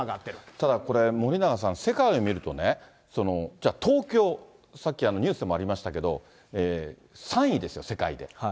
ただこれ、森永さん、世界で見るとね、じゃあ、東京、さっきニュースでもありましたけど、３位ですよ、世界で。